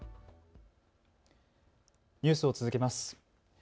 ニュースを続けます。